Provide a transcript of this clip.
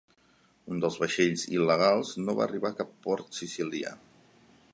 Un dels vaixells il·legals no va arribar a cap port sicilià.